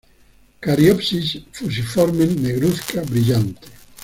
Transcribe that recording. Cariopsis fusiforme, negruzca, brillante.